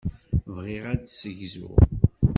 Bɣiɣ ad d-ssegzuɣ.